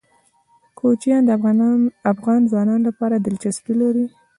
کوچیان د افغان ځوانانو لپاره دلچسپي لري.